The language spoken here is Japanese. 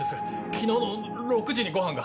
昨日の６時にご飯が。